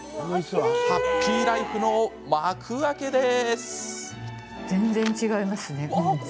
ハッピーライフの幕開けです。